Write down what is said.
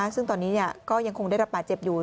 ซึ่งตอนนี้ก็ยังคงได้รับบาดเจ็บอยู่